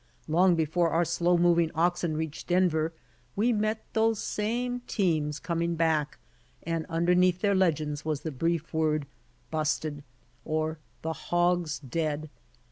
Ix)ng before our slow moving oxen reached Denver, we met those same teams coming back, and underneath their legends was the brief word "Busted" or "The Hog's Dead."